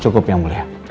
cukup yang mulia